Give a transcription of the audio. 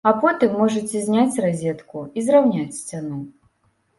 А потым можаце зняць разетку і зраўняць сцяну.